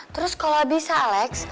terus kalau bisa alex